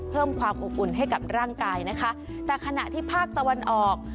เพิ่มความอบอุ่นให้กับร่างกายนะคะแต่ขณะที่ภาคตะวันออก